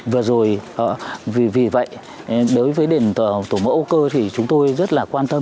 vì vậy đối với đền tổ mẫu âu cơ